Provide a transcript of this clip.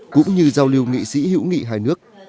cũng như giao lưu nghị sĩ hữu nghị hai nước